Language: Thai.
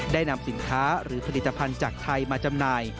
ได้นำสินค้าหรือผลิตภัณฑ์จากไทยมาจำหน่าย